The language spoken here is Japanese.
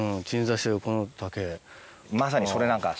まさにそれなんか。